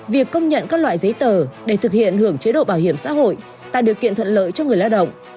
việc công nhận các loại giấy tờ để thực hiện hưởng chế độ bảo hiểm xã hội tạo điều kiện thuận lợi cho người lao động